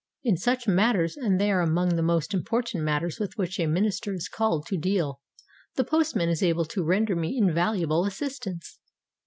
In such matters and they are among the most important matters with which a minister is called to deal the postman is able to render me invaluable assistance.